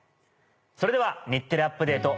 それでは『日テレアップＤａｔｅ！』